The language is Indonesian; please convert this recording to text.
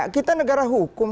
kita negara hukum